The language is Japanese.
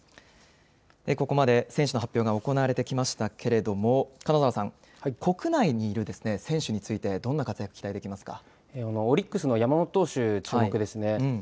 ここまで選手の発表が行われてきましたけれども、金沢さん、国内にいる選手について、どんな活躍、オリックスの山本投手、注目ですね。